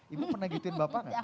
ibu pernah gituin bapak nggak